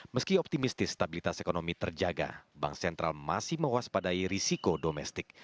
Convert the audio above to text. meski optimistis stabilitas ekonomi terjaga bank sentral masih mewaspadai risiko domestik